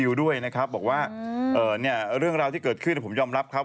ด้วยนะครับบอกว่าเอ่อเนี่ยเรื่องราวที่เกิดขึ้นผมยอมรับครับ